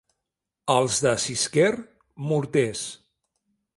Els de Sisquer, morters.